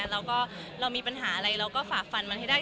แล้วก็เรามีปัญหาอะไรเราก็ฝากฟันมันให้ได้